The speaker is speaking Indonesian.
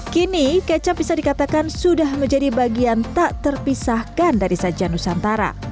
kini kecap bisa dikatakan sudah menjadi bagian tak terpisahkan dari sajian nusantara